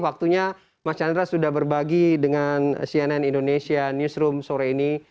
waktunya mas chandra sudah berbagi dengan cnn indonesia newsroom sore ini